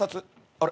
あれ？